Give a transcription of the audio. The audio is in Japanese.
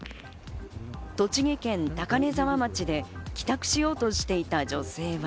栃木県高根沢町で帰宅しようとしていた女性は。